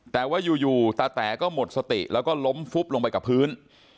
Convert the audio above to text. แต่ว่าอยู่ตาแต๋ก็หมดสติแล้วก็ล้มฟุบลงไปกับพื้น